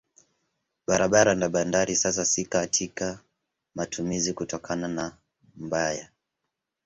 Barabara na bandari sasa si katika matumizi kutokana na mbaya.